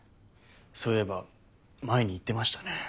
そういえば前に言ってましたね。